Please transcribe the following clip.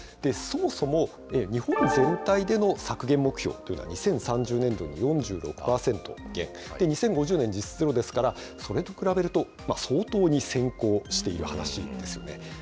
そもそも、日本全体での削減目標というのは、２０３０年度に４６％減、２０５０年実質ゼロですから、それと比べると、相当に先行している話なんですよね。